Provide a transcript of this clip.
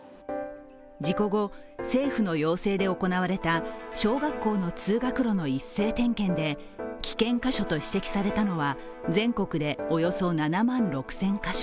事故後、政府の要請で行われた小学校の通学路の一斉点検で危険箇所と指摘されたのは全国でおよそ７万６０００カ所。